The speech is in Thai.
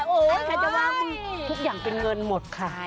ใครจะว่าทุกอย่างเป็นเงินหมดค่ะ